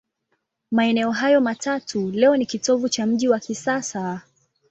Maeneo hayo matatu leo ni kitovu cha mji wa kisasa.